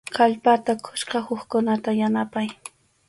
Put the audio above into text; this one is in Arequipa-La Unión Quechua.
Kallpata quspa hukkunata yanapay.